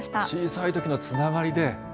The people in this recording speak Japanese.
小さいときのつながりで？